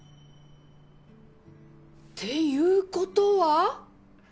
ていうことは。